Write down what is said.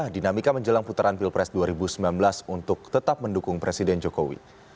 dinamika menjelang putaran pilpres dua ribu sembilan belas untuk tetap mendukung presiden jokowi